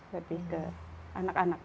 lebih ke anak anak